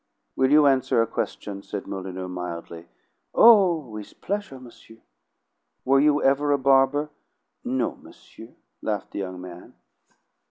"Will you answer a question?" said Molyneux mildly. "Oh, with pleasure, monsieur." "Were you ever a barber?" "No, monsieur," laughed the young man.